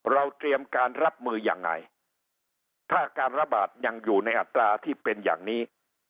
เตรียมการรับมือยังไงถ้าการระบาดยังอยู่ในอัตราที่เป็นอย่างนี้